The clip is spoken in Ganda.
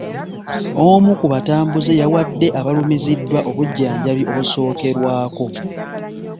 Omu kubatambuze yawadde abalumiziddwa obujjanjabi obusookerwako.